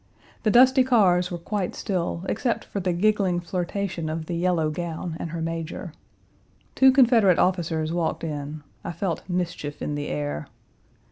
The dusty cars were quite still, except for the giggling flirtation of the yellow gown and her major. Two Confederate officers walked in. I felt mischief in the air.